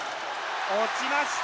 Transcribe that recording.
落ちました！